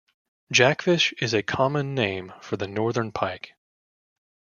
"Jackfish" is a common name for the Northern Pike.